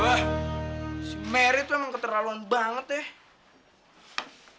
wah si mer itu emang keterlaluan banget ya